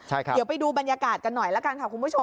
เดี๋ยวไปดูบรรยากาศกันหน่อยละกันค่ะคุณผู้ชม